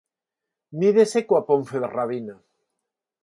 Mídese coa Ponferradina.